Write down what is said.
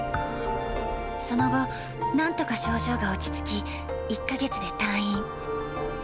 その後、なんとか症状が落ち着き、１か月で退院。